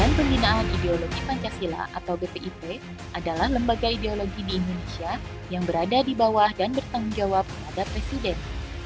badan pembinaan ideologi pancasila atau bpip adalah lembaga ideologi di indonesia yang berada di bawah dan bertanggung jawab terhadap presiden